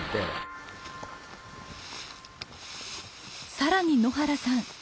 更に野原さん